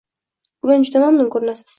Bugun juda mamnun koʻrinasiz.